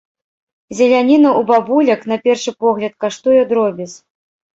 Зеляніна ў бабулек, на першы погляд, каштуе дробязь.